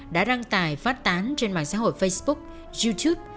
đã đăng tải phát tán trên mạng xã hội facebook youtube